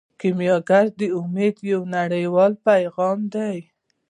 کیمیاګر د امید یو نړیوال پیغام دی.